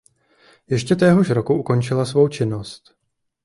Ještě téhož roku ukončila svou činnost.